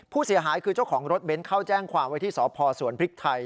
ผู้เสียหายคือเจ้าของรถเบ้นเข้าแจ้งความไว้ที่สพสวนพริกไทย